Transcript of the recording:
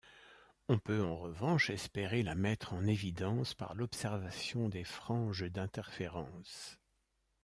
On peut en revanche espérer la mettre en évidence par l'observation des franges d'interférence.